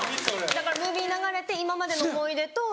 ムービー流れて今までの思い出と。